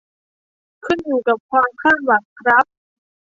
ขึ้นอยู่กับความคาดหวังครับ